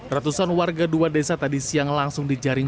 ratusan warga dua desa tadi siang langsung di jaring